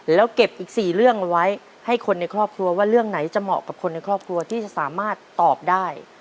แล้วเก็บอีก๔เรื่องไว้ให้คนในครอบครัวว่าเรื่องไหนจะเหมาะกับคนในครอบครัวที่จะสามารถตอบได้